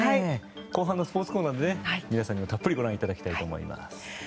後半のスポーツコーナーでたっぷりご覧いただきたいと思います。